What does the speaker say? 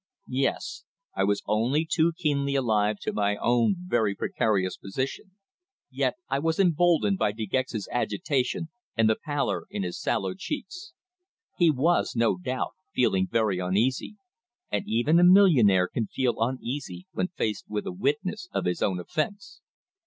Yes. I was only too keenly alive to my own very precarious position. Yet I was emboldened by De Gex's agitation, and the pallor in his sallow cheeks. He was, no doubt, feeling very uneasy. And even a millionaire can feel uneasy when faced with a witness of his own offence.